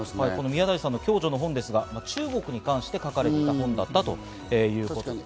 宮台さんの共著の本ですが、中国について書かれていたということです。